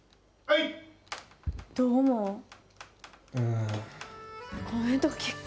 うん。